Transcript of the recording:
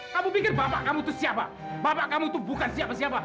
kamu pikir bapak kamu itu siapa bapak kamu itu bukan siapa siapa